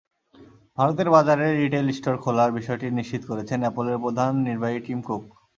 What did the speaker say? ভারতের বাজারে retail store খোলার বিষয়টি নিশ্চিত করেছেন অ্যাপলের প্রধান নির্বাহী টিম কুক।